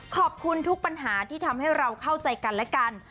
ขอบคุณทุกปัญหาที่ทำให้เราเข้าใจกันและกัน